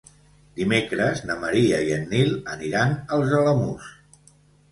Dimecres na Maria i en Nil aniran als Alamús.